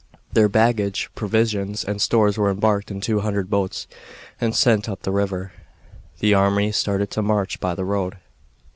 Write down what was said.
Their baggage, provisions, and stores were embarked in two hundred boats and sent up the river. The army started to march by the road.